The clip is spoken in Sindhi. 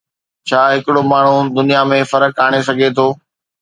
ڇا ھڪڙو ماڻھو دنيا ۾ فرق آڻي سگھي ٿو؟